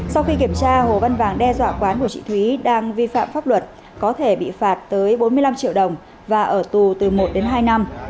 sao hồ văn vàng đe dọa quán của chị thúy đang vi phạm pháp luật có thể bị phạt tới bốn mươi năm triệu đồng và ở tù từ một đến hai năm